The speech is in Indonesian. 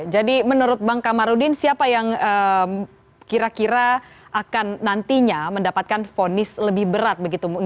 jadi menurut bang kamarudin siapa yang kira kira akan nantinya mendapatkan fonis lebih berat begitu